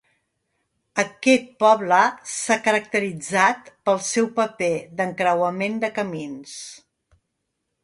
Aquest poble s'ha caracteritzat pel seu paper d'encreuament de camins.